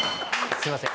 すいません。